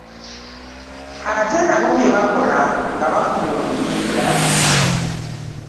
Ate nabo bye bakola nga bafunye obuyinza .